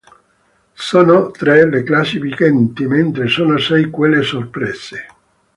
Sono tre le classi vigenti, mentre sono sei quelle soppresse.